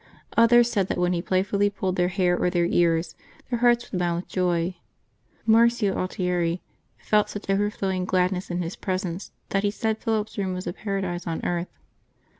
Others said that when he playfully pulled their hair or their ears, their hearts would bound with joy. Marcio Altieri felt such overflowing gladness in his presence that he said Philip's room was a paradise on earth.